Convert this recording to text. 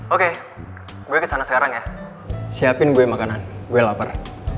oke gue kesana sekarang ya siapin gue makanan gue lapar